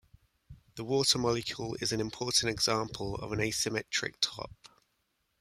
The water molecule is an important example of an asymmetric top.